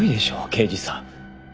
刑事さん。